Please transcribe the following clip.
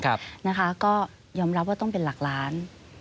ก็ยอมรับว่าต้องเป็นหลักล้าน